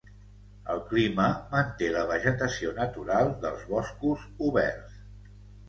El clima manté la vegetació natural dels boscos oberts.